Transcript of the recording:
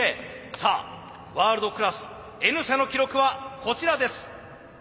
さあワールドクラスＮ社の記録はこちらです。